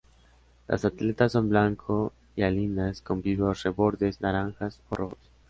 Las aletas son blanco-hialinas con vivos rebordes naranjas o rojos.